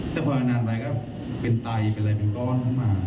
แต่พอนานไปก็เป็นไตเป็นอะไรเป็นก้อน